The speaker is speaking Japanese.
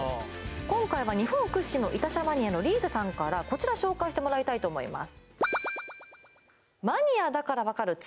今回は日本屈指の痛車マニアのリーゼさんからこちら紹介してもらいたいと思います